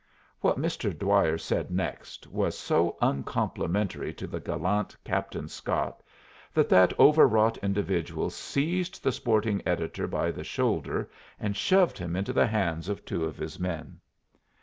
What Mr. Dwyer said next was so uncomplimentary to the gallant Captain Scott that that overwrought individual seized the sporting editor by the shoulder, and shoved him into the hands of two of his men.